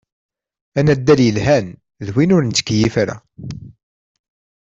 Anaddal yelhan d win ur nettkeyyif ara.